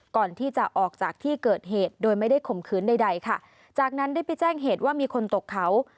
ก่อนที่จะออกจากที่เกิดเหตุโดยไม่ได้ข่มขืนใดใดค่ะจากนั้นได้ไปแจ้งเหตุว่ามีคนตกเขา